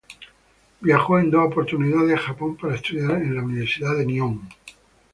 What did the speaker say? Viajó en dos oportunidades a Japón para estudiar en la Universidad de Nihon.